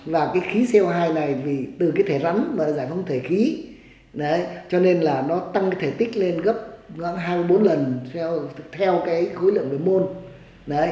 và cái khí co hai này từ cái thể rắn mà giải phóng thể khí cho nên là nó tăng cái thể tích lên gấp gần hai mươi bốn lần theo cái khối lượng đối môn